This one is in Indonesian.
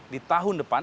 di tahun depan